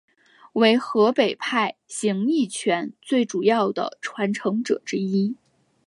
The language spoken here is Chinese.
为河北派形意拳最主要的传承者之一。